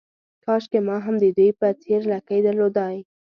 کاشکې ما هم د دوی په څېر لکۍ درلودای.